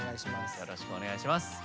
よろしくお願いします。